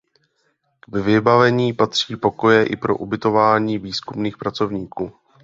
K vybavení patří pokoje i pro ubytování výzkumných pracovníků.